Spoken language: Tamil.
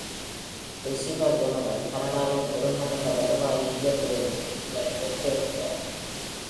ரிசீவர் ஜெனரல், கனடாவின் ஒருங்கிணைந்த வருவாய் நிதியத்திலிருந்து, நிதிகளை வைத்து எடுக்கிறார்.